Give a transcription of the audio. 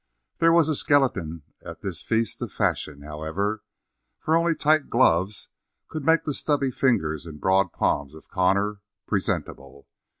There was a skeleton at this Feast of Fashion, however, for only tight gloves could make the stubby fingers and broad palms of Connor presentable.